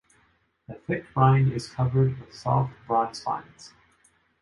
The thick rind is covered with soft, broad spines.